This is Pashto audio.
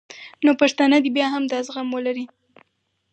نو پښتانه دې هم بیا دا زغم ولري